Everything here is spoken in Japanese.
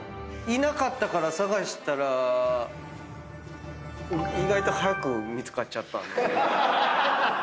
「いなかったから探したら意外と早く見つかっちゃった」